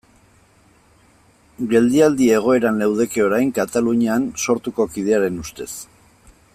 Geldialdi egoeran leudeke orain Katalunian Sortuko kidearen ustez.